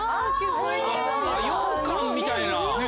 水ようかんみたい。